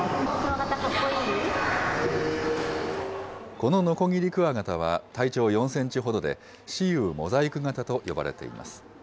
このノコギリクワガタは体長４センチほどで、雌雄モザイク型と呼ばれています。